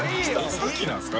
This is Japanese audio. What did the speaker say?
さっきなんですか？